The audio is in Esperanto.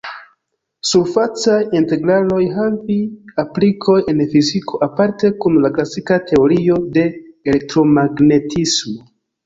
Surfacaj integraloj havi aplikoj en fiziko, aparte kun la klasika teorio de elektromagnetismo.